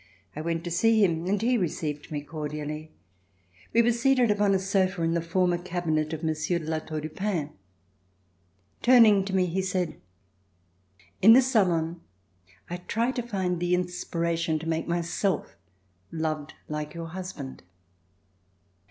I went to see him and he received me cordially. We were seated upon a sofa in the former cabinet of Monsieur de La Tour du Pin. Turning to me he said: "In this salon I try to find the inspiration to make myself loved like your husband."